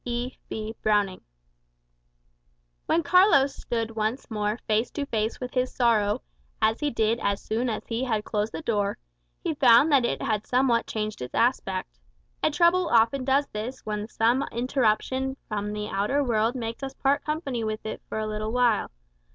E. B. Browning When Carlos stood once more face to face with his sorrow as he did as soon as he had closed the door he found that it had somewhat changed its aspect. A trouble often does this when some interruption from the outer world makes us part company with it for a little while.